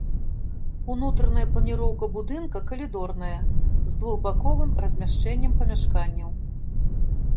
Унутраная планіроўка будынка калідорная, з двухбаковым размяшчэннем памяшканняў.